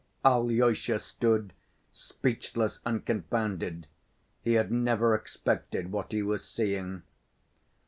Alyosha stood speechless and confounded; he had never expected what he was seeing.